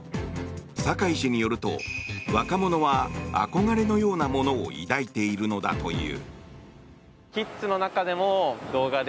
酒井氏によると若者は憧れのようなものを抱いているのだという。